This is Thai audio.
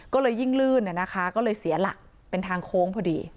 ก็เลยยิ่งลื่นนะคะก็เลยเสียหลักเป็นทางโค้งพอดี